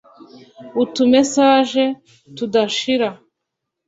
utu messages tudashira